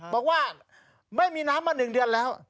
บอกว่าไม่มีน้ำมา๑เดือนแล้ว